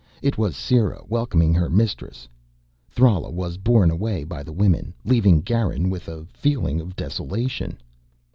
It was Sera welcoming her mistress. Thrala was borne away by the women, leaving Garin with a feeling of desolation.